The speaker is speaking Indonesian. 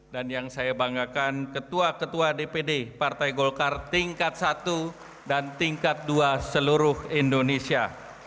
dan yang saya banggakan ketua ketua dpd partai golkar tingkat satu dan tingkat dua seluruh indonesia